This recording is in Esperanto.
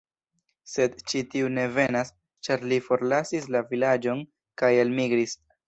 Sed ĉi tiu ne venas, ĉar li forlasis la vilaĝon kaj elmigris.